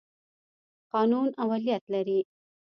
قانون اولیت لري.